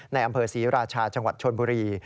ในอำเภอศรีราชาจังหวัดชนบุรี